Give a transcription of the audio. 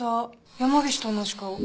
山岸と同じ顔。